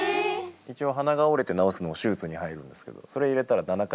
一応鼻が折れて治すのも手術に入るんですけどそれ入れたら７回手術してます。